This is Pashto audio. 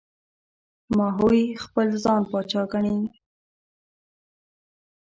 ماهوی خپل ځان پاچا ګڼي.